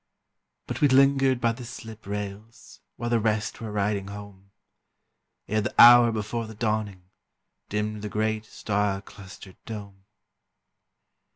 But we lingered by the slip rails While the rest were riding home, Ere the hour before the dawning, Dimmed the great star clustered dome.